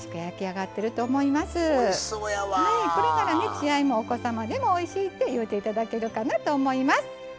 血合いもお子様でもおいしいって言うていただけるかなと思います。